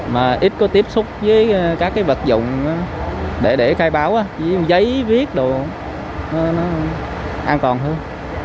mà ít có tiếp xúc với các vật dụng để khai báo giấy viết đồ an toàn hơn